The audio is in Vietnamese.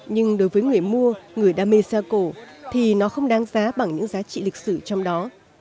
nhưng đối với người mua người đam mê xa cổ thì nó không đáng giá bằng những giá trị lịch sử trong đó